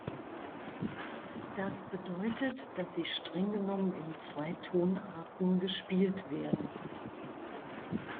Das bedeutet, dass sie streng genommen in zwei Tonarten gespielt werden.